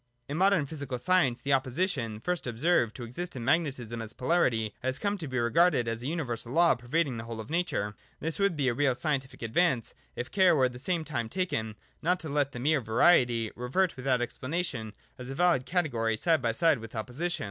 In modern physical science the opposition, first observed to exist in magnetism as polarity, has come to be regarded as a universal law pervading the whole of nature. This would be a real scientific advance, if care were at the same time taken not to let mere variety revert without explana tion, as a valid category, side by side with opposition.